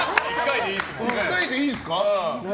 １回でいいですもんね。